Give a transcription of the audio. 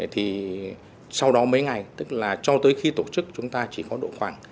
thì sau đó mấy ngày tức là cho tới khi tổ chức chúng ta chỉ có độ khoảng